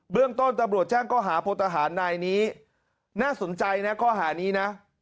เบื้องต้นตำรวจแจ้งก็หาพวกทหารในนี้น่าสนใจนะก็หานี้นะ